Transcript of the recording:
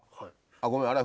あっごめんあれは。